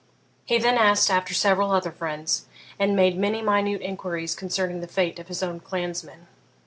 He then asked after several other friends; and made many minute inquiries concerning the fate of his own clansmen.